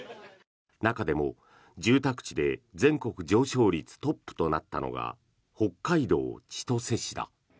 中でも、住宅地で全国上昇率トップとなったのが北海道千歳市だ。